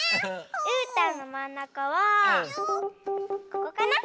うーたんのまんなかはここかな。